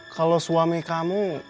kalau suami kamu